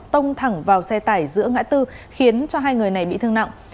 tông thẳng vào xe tải giữa ngã tư khiến cho hai người này bị thương nặng